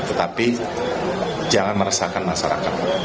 tetapi jangan meresahkan masyarakat